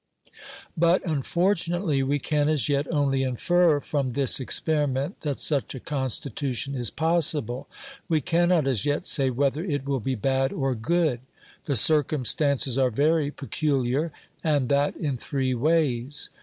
But, unfortunately, we can as yet only infer from this experiment that such a Constitution is possible; we cannot as yet say whether it will be bad or good. The circumstances are very peculiar, and that in three ways.